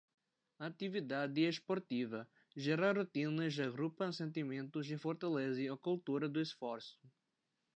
A atividade esportiva gera rotinas, agrupa sentimentos e fortalece a cultura do esforço.